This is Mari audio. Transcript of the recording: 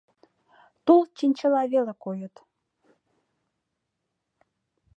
Тул чинчыла веле койыт.